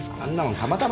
たまたま？